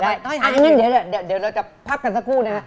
อย่างนั้นเดี๋ยวเราจะพักกันสักครู่นะฮะ